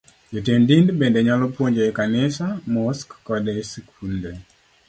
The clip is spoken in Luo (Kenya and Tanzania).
Jotend din bende nyalo puonjo e kanise, mosque koda e skunde